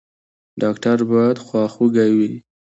ډاکټر باید خواخوږی وي